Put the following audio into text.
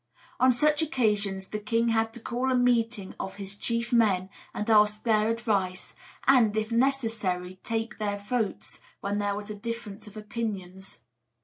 On such occasions the king had to call a meeting of his chief men, and ask their advice, and, if necessary, take their votes when there was a difference of opinions.